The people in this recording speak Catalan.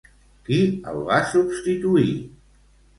Qui el va substituir?